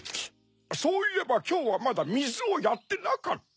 そういえばきょうはまだみずをやってなかった！